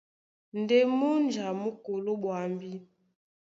Ndé múnja mú koló ɓwambí.